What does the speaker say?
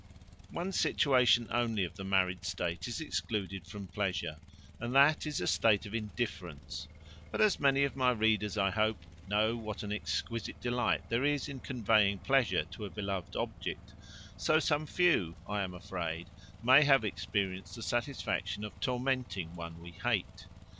One situation only of the married state is excluded from pleasure: and that is, a state of indifference: but as many of my readers, I hope, know what an exquisite delight there is in conveying pleasure to a beloved object, so some few, I am afraid, may have experienced the satisfaction of tormenting one we hate.